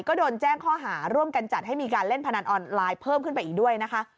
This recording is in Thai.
ก็โดนแจ้งข้อหาร่วมกันจัดให้มีการเล่นพนันออนไลน์เพิ่มขึ้นไปอีกด้วยนะคะ